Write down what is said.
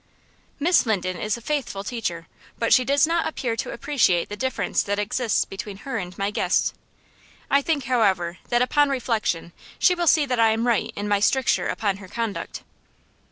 "Miss Linden is a faithful teacher, but she does not appear to appreciate the difference that exists between her and my guests. I think, however, that upon reflection, she will see that I am right in my stricture upon her conduct."